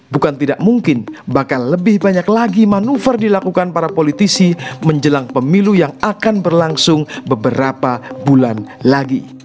bukan tidak mungkin bakal lebih banyak lagi manuver dilakukan para politisi menjelang pemilu yang akan berlangsung beberapa bulan lagi